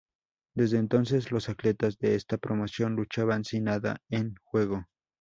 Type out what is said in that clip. Desde entonces los atletas de esta promoción luchaban sin nada en juego.